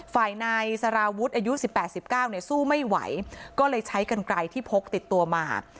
ฝ่ายนายสารวุฒิอายุ๑๘๑๙เนี่ยสู้ไม่ไหวก็เลยใช้กันไกลที่พกติดตัวมา